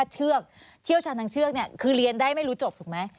เชี่ยวชาญทางเชือกเนี่ยคือเรียนได้ไม่รู้จบถูกไหม